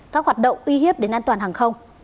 các hoạt động uy hiếp đến an toàn hàng không